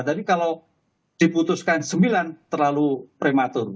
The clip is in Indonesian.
tadi kalau diputuskan sembilan terlalu prematur